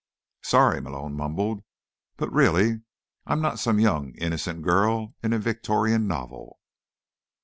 "Sorry," Malone mumbled. "But, really, I'm not some young, innocent girl in a Victorian novel."